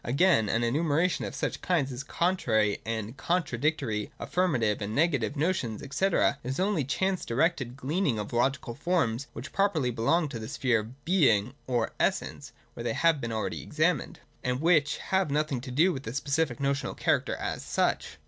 Again, an enumeration of such kinds as contrary and contradictory, affirmative and negative notions, &c., is only a chance directed gleaning of logical forms which properly belong to the sphere of Being or Essence, (where they have been already examined,) and which have nothing to do with the specific notional character as such.